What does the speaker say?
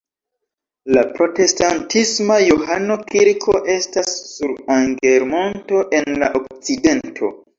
La protestantisma Johano-kirko estas sur Anger-monto en la okcidento.